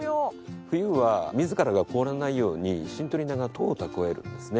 冬は自らが凍らないようにシントリ菜が糖を蓄えるんですね。